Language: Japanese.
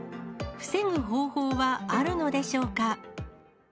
防ぐ方法はあるのでしょうか。